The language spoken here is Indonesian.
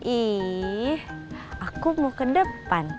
ih aku mau ke depan